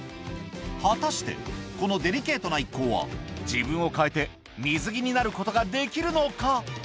果たして、このデリケートな一行は、自分を変えて、水着になることができるのか。